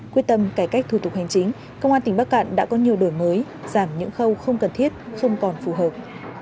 quyết tâm cải cách thủ tục hành chính công an tỉnh bắc cạn đã có nhiều đổi mới giảm những khâu không cần thiết không còn phù hợp